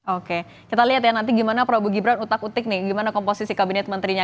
oke kita lihat ya nanti gimana prabowo gibran utak utik nih gimana komposisi kabinet menterinya